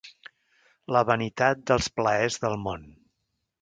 La vanitat dels plaers del món.